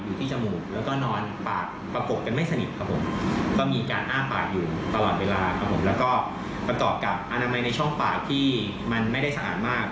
ที่จมูกแล้วก็นอนปากประกบกันไม่สนิทครับผมก็มีการอ้าปากอยู่ตลอดเวลาครับผมแล้วก็ประกอบกับอนามัยในช่องปากที่มันไม่ได้สะอาดมาก